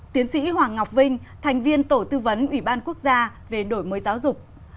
tiến sĩ hoàng ngọc vinh thành viên tổ tư vấn ủy ban quốc gia về đổi mới giáo dục